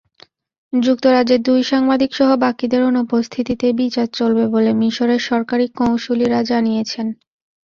যুক্তরাজ্যের দুই সাংবাদিকসহ বাকিদের অনুপস্থিতিতে বিচার চলবে বলে মিসরের সরকারি কৌঁসুলিরা জানিয়েছেন।